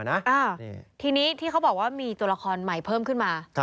ทีนี้ที่เขาบอกว่ามีตัวละครใหม่เพิ่มขึ้นมา